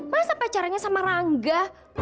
masa pacarannya sama rangga